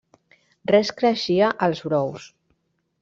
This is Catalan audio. Res creixia als brous.